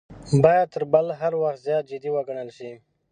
باید تر بل هر وخت زیات جدي وګڼل شي.